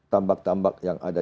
tambak tambak yang ada